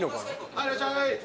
はいいらっしゃい。